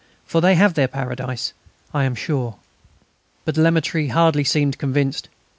For they have their paradise, I am sure." But Lemaître hardly seemed convinced.